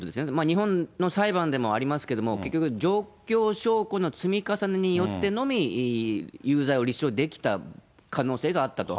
日本の裁判でもありますけれども、結局、状況証拠の積み重ねによってのみ、有罪を立証できた可能性があったと。